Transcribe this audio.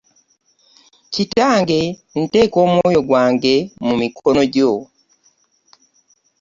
Kitange nteeka omwoyo gwange mumikono gyo.